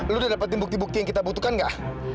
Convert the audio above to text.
lu udah dapetin bukti bukti yang kita butuhkan nggak